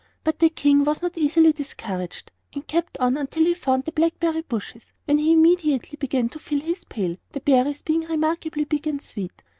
But the King was not easily discouraged, and kept on until he found the blackberry bushes, when he immediately began to fill his pail, the berries being remarkably big and sweet.